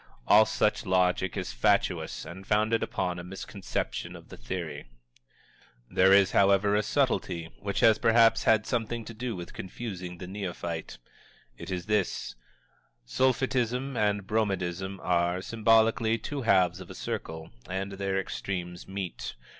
All such logic is fatuous, and founded upon a misconception of the Theory. There is, however, a subtlety which has perhaps had something to do with confusing the neophyte. It is this: Sulphitism and Bromidism are, symbolically, the two halves of a circle, and their extremes meet.